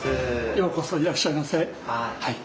ようこそいらっしゃいませ。